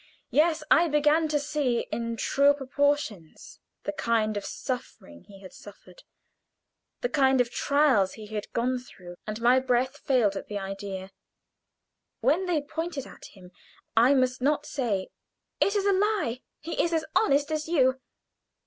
Yes, I began to see in truer proportions the kind of suffering he had suffered, the kind of trials he had gone through, and my breath failed at the idea. When they pointed at him I must not say, "It is a lie; he is as honest as you."